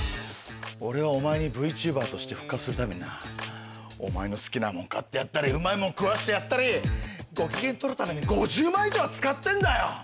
俺はお前にＶＴｕｂｅｒとして復活するためになお前の好きなもん買ってやったりうまいもん食わしてやったりご機嫌取るために５０万以上は使ってんだよ！